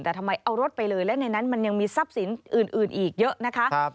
แต่ทำไมเอารถไปเลยและในนั้นมันยังมีทรัพย์สินอื่นอีกเยอะนะคะ